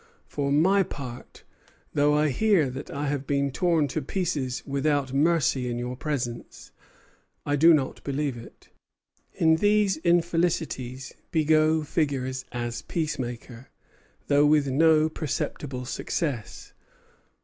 For my part, though I hear that I have been torn to pieces without mercy in your presence, I do not believe it." In these infelicities Bigot figures as peacemaker, though with no perceptible success.